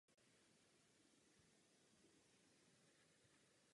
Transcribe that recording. Z hlediska ubytovací kapacity je třetí největší lázeňskou organizací v České republice.